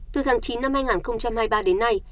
từ tháng chín năm hai nghìn hai mươi ba đến nay